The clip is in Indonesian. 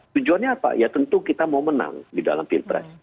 tujuannya apa ya tentu kita mau menang di dalam pilpres